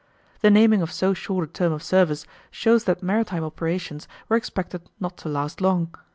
The naming of so short a term of service shows that maritime operations were expected not to last long.